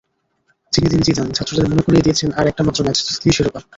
Zinedine Zidane ছাত্রদের মনে করিয়ে দিয়েছেন—আর একটা মাত্র ম্যাচ, জিতলেই শিরোপা।